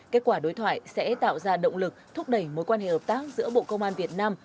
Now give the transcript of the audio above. kết quả đối thoại sẽ tạo ra động lực thúc đẩy mối quan hệ hợp tác giữa bộ công an việt nam